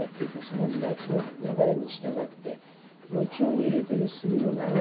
その流れに従って炉中に入れてる炭の流れ